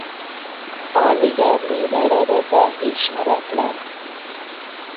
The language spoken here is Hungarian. A Niger név eredete ismeretlen.